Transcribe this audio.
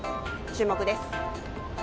注目です。